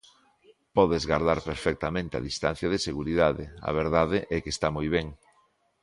Podes gardar perfectamente a distancia de seguridade, a verdade é que está moi ben.